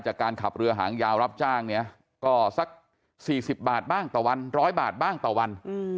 จากการขับเรือหางยาวรับจ้างเนี่ยก็สักสี่สิบบาทบ้างต่อวัน